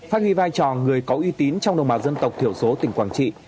phát huy vai trò người có y tín trong đồng bào dân tộc tiểu số tỉnh quảng trị